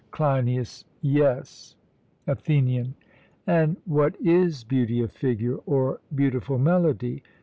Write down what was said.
CLEINIAS: Yes. ATHENIAN: And what is beauty of figure, or beautiful melody?